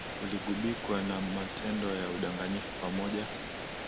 uligubikwa na matendo ya udanganyifu pamoja